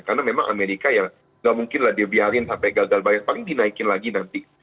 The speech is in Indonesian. karena memang amerika ya nggak mungkin lah dibiarin sampai gagal bayar paling dinaikin lagi nanti